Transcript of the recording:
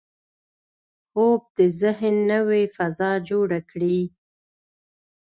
خوب د ذهن نوې فضا جوړه کړي